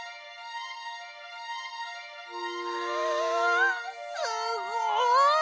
あすごい！